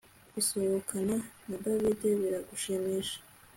Gusohokana na David biragushimisha